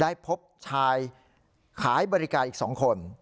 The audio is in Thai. ได้พบชายขายบริการอีก๒คน